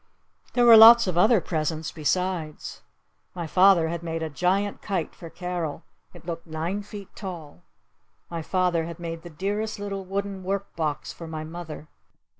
There were lots of other presents besides. My father had made a giant kite for Carol. It looked nine feet tall. My father had made the dearest little wooden work box for my mother.